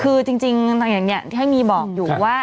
คือจริงทางอย่างเนี่ยที่ให้มีบอกอยู่ว่า